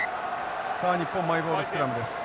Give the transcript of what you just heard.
さあ日本マイボールスクラムです。